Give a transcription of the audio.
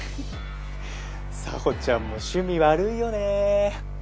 沙帆ちゃんも趣味悪いよね。